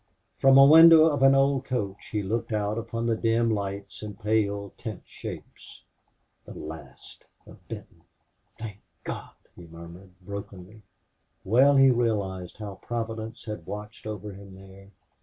From a window of an old coach he looked out upon the dim lights and pale tent shapes. "The last of Benton!... Thank God!" he murmured, brokenly. Well he realized how Providence had watched over him there.